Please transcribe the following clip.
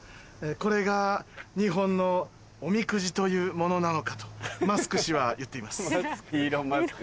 これが日本のおみくじというものなのかとマスク氏は言っています。